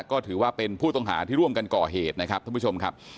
ก็ถือว่าเป็นผู้ต้องหาที่ร่วมกันก่อเหตุนะครับท่านผู้ชมครับ